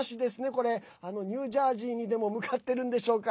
これ、ニュージャージーにでも向かってるんでしょうか。